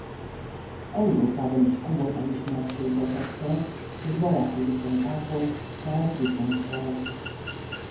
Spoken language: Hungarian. Európában is komoly elismertségre tett szert és baráti viszonyt ápolt Charles Dickenssel.